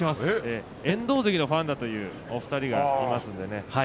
遠藤関のファンだというお二人がいますので。